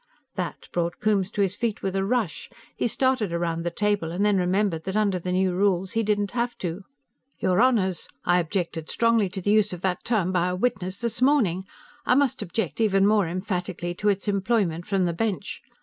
That brought Coombes to his feet with a rush. He started around the table and then remembered that under the new rules he didn't have to. "Your Honors, I objected strongly to the use of that term by a witness this morning; I must object even more emphatically to its employment from the bench.